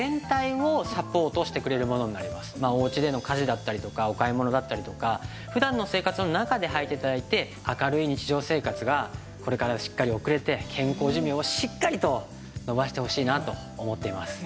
お家での家事だったりとかお買い物だったりとか普段の生活の中ではいて頂いて明るい日常生活がこれからしっかり送れて健康寿命をしっかりと延ばしてほしいなと思っています。